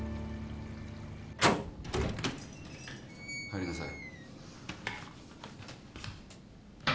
・・入りなさい。